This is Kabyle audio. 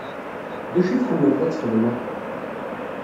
D acu i tḥemmleḍ ad txedmeḍ?